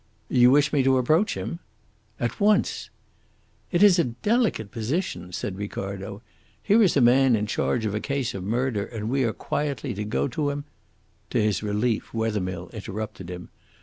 "You wish me to approach him?" "At once." "It is a delicate position," said Ricardo. "Here is a man in charge of a case of murder, and we are quietly to go to him " To his relief Wethermill interrupted him.